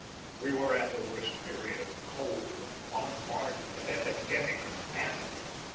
We were at the worst period of cold, of bombardment, of epidemic, of famine.